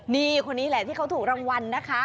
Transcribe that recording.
นี่คนนี้แหละที่เขาถูกรางวัลนะคะ